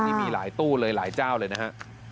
นี่มีหลายตู้เลยหลายเจ้าเลยนะฮะ